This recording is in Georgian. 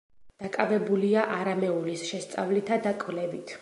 დაკავებულია არამეულის შესწავლითა და კვლევით.